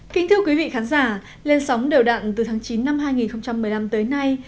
kính thưa quý vị khán giả lên sóng đều đặn từ tháng chín năm hai nghìn một mươi năm tới nay